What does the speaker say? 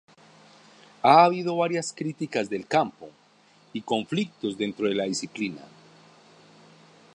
Ha habido varias críticas del campo, y conflictos dentro de la disciplina.